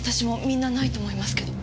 みんなないと思いますけど。